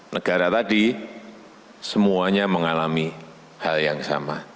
lima belas negara tadi semuanya mengalami hal yang sama